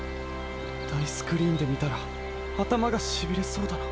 だいスクリーンでみたらあたまがしびれそうだな。